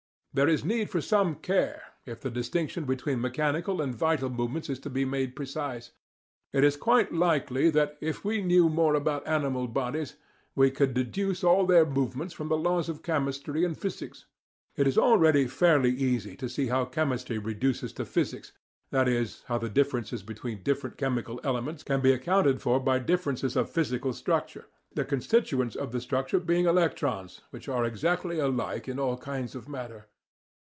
There is need for some care if the distinction between mechanical and vital movements is to be made precise. It is quite likely that, if we knew more about animal bodies, we could deduce all their movements from the laws of chemistry and physics. It is already fairly easy to see how chemistry reduces to physics, i.e. how the differences between different chemical elements can be accounted for by differences of physical structure, the constituents of the structure being electrons which are exactly alike in all kinds of matter.